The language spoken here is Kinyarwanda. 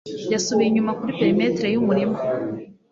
yasubiye inyuma kuri perimetres yumurima